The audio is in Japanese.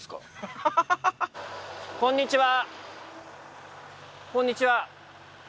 こんにちは。